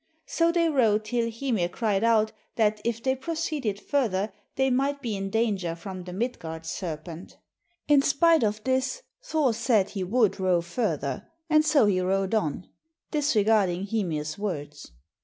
So they rowed till Hymir cried out that if they proceeded further they might be in danger from the Midgard serpent. In spite of this, Thor said he would row further, and so he rowed on, disregarding Hymir's words.